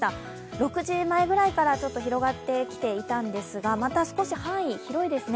６時前ぐらいから少し広がってきたんですがまた少し範囲広いですね。